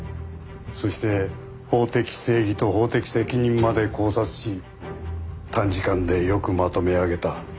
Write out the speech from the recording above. そして法的正義と法的責任まで考察し短時間でよくまとめあげた。